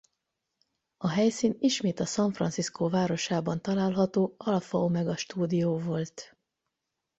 A helyszín ismét a San Francisco városában található Alpha-Omega stúdió volt.